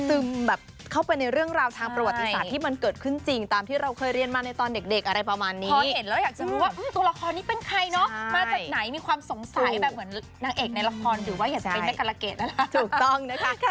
ซึมแบบเข้าไปในเรื่องราวทางประวัติศาสตร์ที่มันเกิดขึ้นจริง